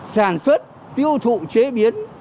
sản xuất tiêu thụ chế biến